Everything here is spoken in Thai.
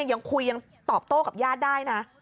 ยังคุยยังตอบโต้กับญาติได้นะ